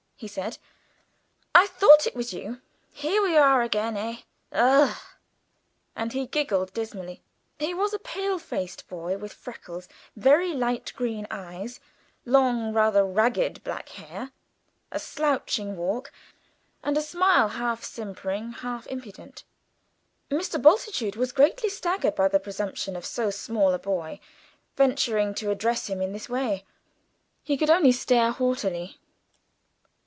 he said, "I thought it was you. Here we are again, eh? Ugh!" and he giggled dismally. He was a pale faced boy with freckles, very light green eyes, long, rather ragged black hair, a slouching walk, and a smile half simpering, half impudent. Mr. Bultitude was greatly staggered by the presumption of so small a boy venturing to address him in this way. He could only stare haughtily.